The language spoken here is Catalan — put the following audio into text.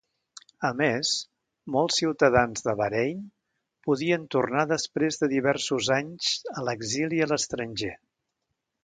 A més, molts ciutadans de Bahrain podien tornar després de diversos anys a l"exili a l"estranger.